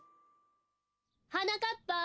はなかっぱ！